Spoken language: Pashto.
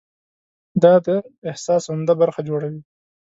دا د احساس عمده برخه جوړوي.